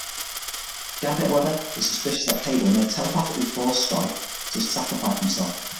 Gambit, however, is suspicious that Cable may have telepathically forced Stryfe to sacrifice himself.